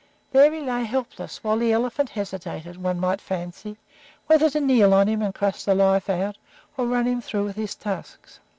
There he lay helpless, while the elephant hesitated, one might fancy, whether to kneel on him and crush the life out or run him through with his tusks.